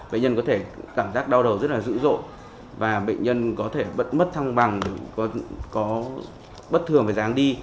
bệnh nhân có thể cảm giác đau đầu rất là dữ dội và bệnh nhân có thể mất thăng bằng bất thường về dáng đi